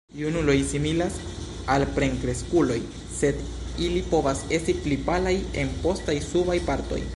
Junuloj similas al plenkreskuloj, sed ili povas esti pli palaj en postaj subaj partoj.